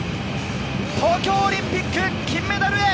東京オリンピック金メダルへ。